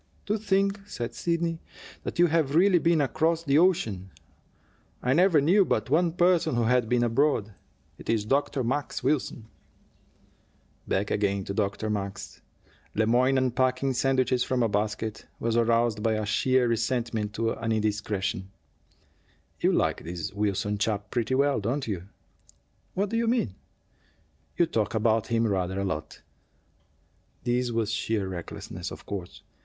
"To think," said Sidney, "that you have really been across the ocean! I never knew but one person who had been abroad. It is Dr. Max Wilson." Back again to Dr. Max! Le Moyne, unpacking sandwiches from a basket, was aroused by a sheer resentment to an indiscretion. "You like this Wilson chap pretty well, don't you?" "What do you mean?" "You talk about him rather a lot." This was sheer recklessness, of course.